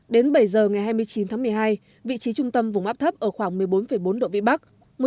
đến bảy giờ ngày hai mươi chín tháng một mươi hai vị trí trung tâm vùng áp thấp ở khoảng một mươi bốn bốn độ vĩ bắc